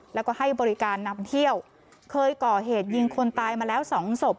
แล้วก็ให้บริการนำเที่ยวเคยก่อเหตุยิงคนตายมาแล้วสองศพ